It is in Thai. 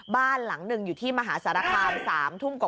บ้านหลังหนึ่งอยู่ที่มหาสารขอาพศาสตร์้า